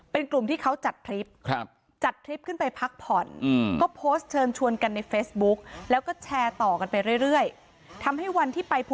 เป็นกลุ่มที่เขาจัดคลิปจัดคลิปขึ้นไปพักผ่อนเฉินชวนกัน